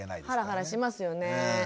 ハラハラしますよね。